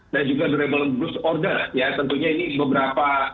dan juga durable goods order ya tentunya ini beberapa